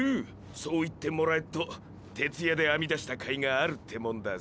そう言ってもらえっと徹夜で編み出したかいがあるってもんだぜ。